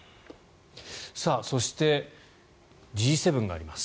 そして、Ｇ７があります。